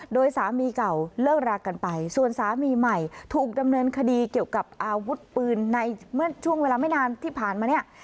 โดยสามีเก่าเลิกรากันไปส่วนสามีใหม่ถูกดำเนินคดีเกี่ยวกับอาวุธปืนในเมื่อช่วงเวลาไม่นานที่ผ่านมาเนี่ย